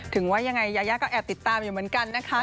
ถึงว่ายังไงยายาก็แอบติดตามอยู่เหมือนกันนะคะ